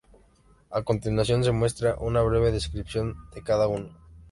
A continuación se muestra una breve descripción de cada uno.